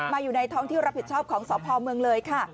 อยู่ในท้องที่รับผิดชอบของสพเมืองเลยค่ะ